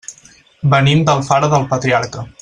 Venim d'Alfara del Patriarca.